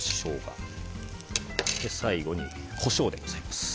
最後にコショウでございます。